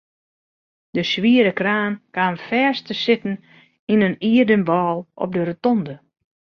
De swiere kraan kaam fêst te sitten yn in ierden wâl op de rotonde.